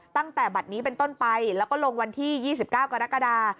ตั้งแต่บัตรนี้เป็นต้นไปแล้วก็ลงวันที่๒๙กรกฎา